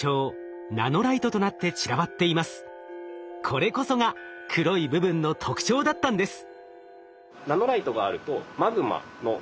これこそが黒い部分の特徴だったんです。